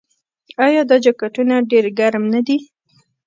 آیا دا جاکټونه ډیر ګرم نه دي؟